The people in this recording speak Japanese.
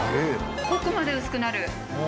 ここまで薄くなる。